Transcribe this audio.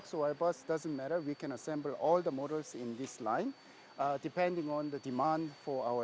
kami bisa menggabungkan model model yang berbeda di lantai ini bergantung dengan permintaan di pasar